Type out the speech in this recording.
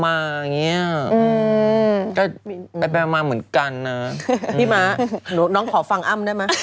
อย่างเงี้ยอืมแปบแปบมามาเหมือนกันน่ะพี่มะหนูน้องขอฟังอ้ำได้มั้ย